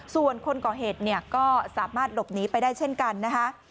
ส่วนคนก่อเหตุเนี่ยก็สามารถหลบหนีไปได้เช่นกันนะคะ